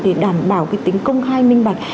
để đảm bảo cái tính công khai minh bạch